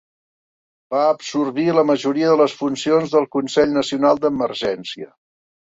Va absorbir la majoria de les funcions del Consell Nacional d'Emergència.